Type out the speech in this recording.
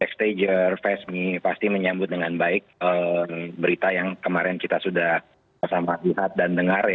stajer fesmi pasti menyambut dengan baik berita yang kemarin kita sudah bersama di hat dan dengar ya